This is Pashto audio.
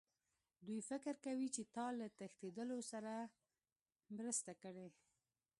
دوی فکر کوي چې تا له تښتېدلو سره مرسته کړې